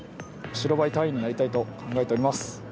白バイ隊員になりたいと考えております。